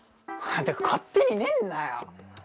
ってか勝手に寝んなよ！